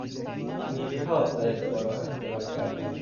فینیقیها الفبا را اختراع کردند.